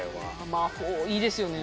魔法いいですよね。